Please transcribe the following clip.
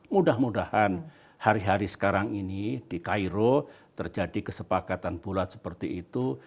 mudah mudahan hari hari sekarang ini di cairo terjadi kesepakatan bulat seperti itu